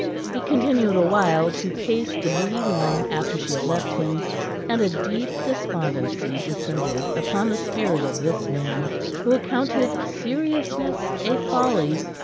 He continued a while to pace the dewy lawn after she had left him, and a deep despondency descended upon the spirit of this man who accounted seriousness a folly.